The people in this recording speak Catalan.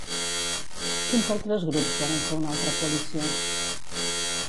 Quins altres grups volen fer una altra coalició?